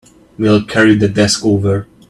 We'll carry the desk over.